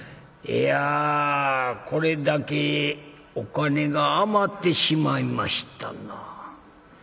いやこれだけお金が余ってしまいましたな。